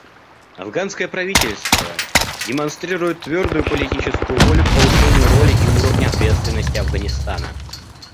Афганское правительство демонстрирует твердую политическую волю к повышению роли и уровня ответственности Афганистана.